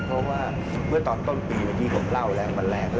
เพราะว่าเมื่อตอนต้นปีเหมือนที่ผมเล่าแล้ววันแรก